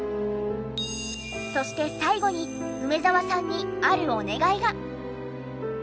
そして最後に梅沢さんにあるお願いが。